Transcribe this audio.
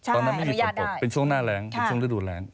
ตอนนั้นไม่มีฝนตกเป็นช่วงหน้าแรงเป็นช่วงฤดูแรง